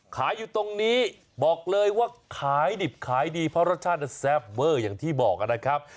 ขายอยู่ตรงนี้บอกเลยว่าขายดิบขายดีเพราะรสชาติแซ่บเวอร์อย่างที่บอกนะครับ